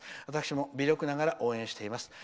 私も微力ながら応援しています。